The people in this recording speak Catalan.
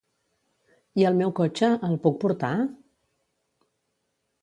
I el meu cotxe, el puc portar?